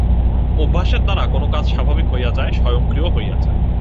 অভ্যাসের দ্বারা কোন কাজ স্বাভাবিক হইয়া যায়, স্বয়ংক্রিয় হইয়া যায়।